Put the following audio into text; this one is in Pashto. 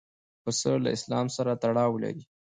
پسه له اسلام سره تړاو لري.